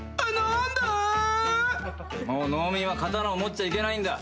もう農民は刀を持っちゃいけないんだ。